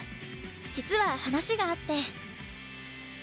実は話があって。